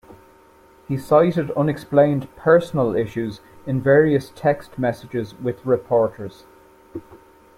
He cited unexplained "personal issues" in various text messages with reporters.